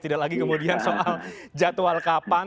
tidak lagi kemudian soal jadwal kapan